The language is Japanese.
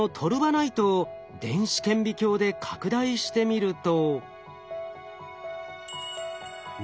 ナイトを電子顕微鏡で拡大してみると。